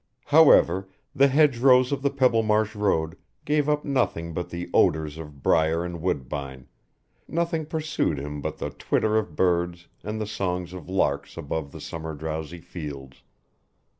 However, the hedgerows of the Pebblemarsh road gave up nothing but the odours of briar and woodbine, nothing pursued him but the twitter of birds and the songs of larks above the summer drowsy fields.